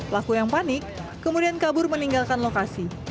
pelaku yang panik kemudian kabur meninggalkan lokasi